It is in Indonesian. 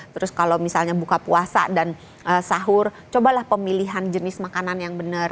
terus kalau misalnya buka puasa dan sahur cobalah pemilihan jenis makanan yang benar